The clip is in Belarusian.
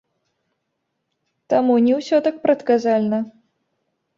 Таму не ўсё так прадказальна.